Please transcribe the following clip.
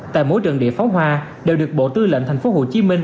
tại mỗi trận địa pháo hoa đều được bộ tư lệnh thành phố hồ chí minh